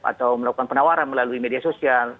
atau melakukan penawaran melalui media sosial